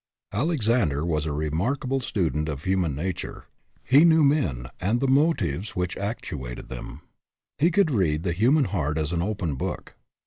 Alexander was a remarkable student of human nature. He knew men, and the motives 189 190 SIZING UP PEOPLE which actuated them. He could read the human heart as an open book.